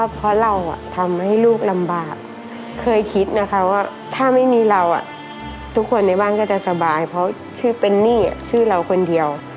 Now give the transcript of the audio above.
เพราะชื่อเฟนนี่ชื่อเราคนเดียว